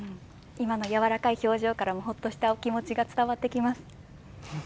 今の柔らかい表情からもほっとしたお気持ちが伝わってきます。